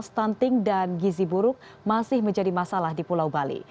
stunting dan gizi buruk masih menjadi masalah di pulau bali